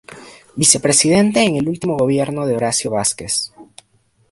Vicepresidente en el último gobierno de Horacio Vásquez.